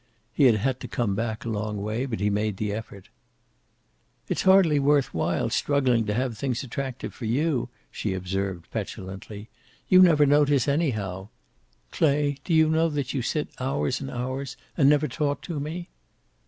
He had had to come back a long way, but he made the effort. "It's hardly worth while struggling to have things attractive for you," she observed petulantly. "You never notice, anyhow. Clay, do you know that you sit hours and hours, and never talk to me?"